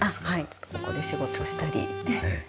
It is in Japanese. ちょっとここで仕事したり勉強したり。